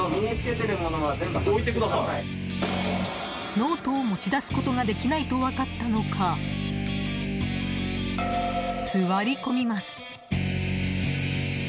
ノートを持ち出すことができないと分かったのか座り込みます。